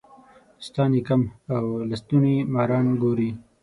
دوستان یې کم او لستوڼي ماران ګوري.